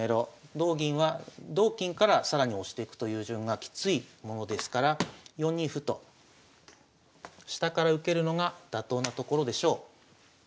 同銀は同金から更に押していくという順がきついものですから４二歩と下から受けるのが妥当なところでしょう。